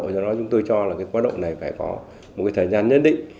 cho nó chúng tôi cho là cái quá độ này phải có một thời gian nhất định